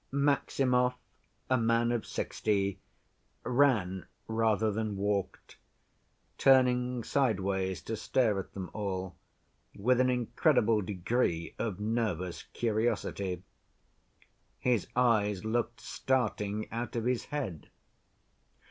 Maximov, a man of sixty, ran rather than walked, turning sideways to stare at them all, with an incredible degree of nervous curiosity. His eyes looked starting out of his head.